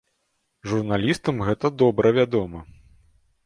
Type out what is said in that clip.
Журналістам гэта добра вядома.